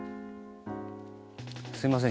すみません。